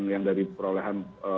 yang dari perolehan